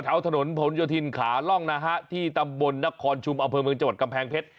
แถวถนนผลโยธินขาล่องนะฮะที่ตำบลนครชุมอำเภอเมืองจังหวัดกำแพงเพชร